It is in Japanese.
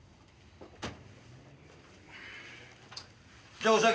じゃあお先。